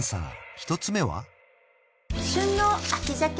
一つ目は？